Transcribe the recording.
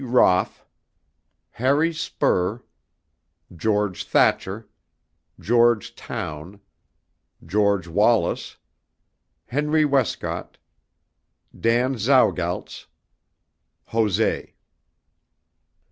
Roff, Harry Spurr, George Thacher, George Towne, George Wallace, Henry Westcott, Dan Zowgaltz, Jose.